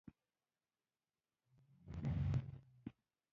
او يو ستر مجاهد پۀ حييث ياد کړي دي